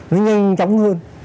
nó nhanh chóng hơn